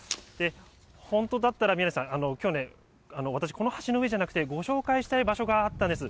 本当だったら、宮根さん、きょうね、私、この橋の上じゃなくてご紹介したい場所があったんです。